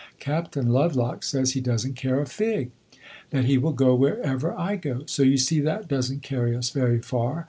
Captain Lovelock says he does n't care a fig that he will go wherever I go. So you see that does n't carry us very far.